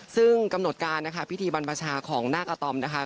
ซึ่งกำหนดการนะคะพิธีบรรพชาของนาคอาตอมนะคะ